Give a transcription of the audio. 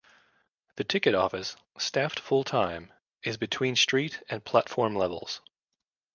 The ticket office, staffed full-time, is between street and platform levels.